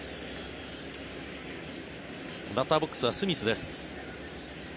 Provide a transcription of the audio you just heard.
バッターボックスはスミスです。